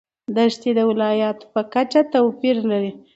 دښتې د ولایاتو په کچه توپیر لري.